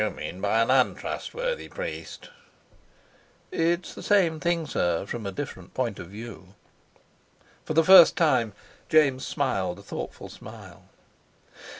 "You mean by an untrustworthy priest?" "It's the same thing, sir, from a different point of view." For the first time James smiled a thoughtful smile.